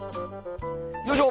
よいしょ。